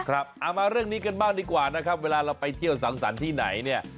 เอามาเรื่องนี้กันบ้างดีกว่านะครับเวลาเราไปเที่ยวสังสรรค์ที่ไหนเนี่ย